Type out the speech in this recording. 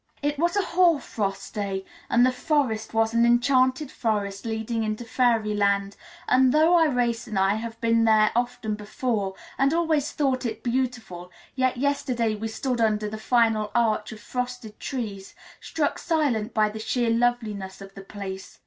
It was a hoar frost day, and the forest was an enchanted forest leading into fairyland, and though Irais and I have been there often before, and always thought it beautiful, yet yesterday we stood under the final arch of frosted trees, struck silent by the sheer loveliness of the place.